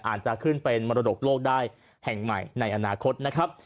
อาจจะขึ้นเป็นมรดกโลกได้แห่งใหม่ในอนาคตนะครับ